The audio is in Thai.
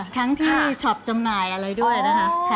ทั้งที่ช็อปจำหน่ายอะไรด้วยนะคะ